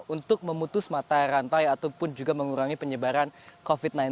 untuk memutus mata rantai ataupun juga mengurangi penyebaran covid sembilan belas